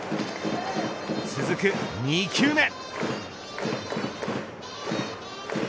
続く２球目。